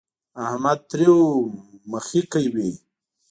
احمد تريو مخی کوي.